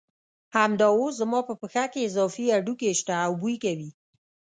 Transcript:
همدا اوس زما په پښه کې اضافي هډوکي شته او بوی کوي.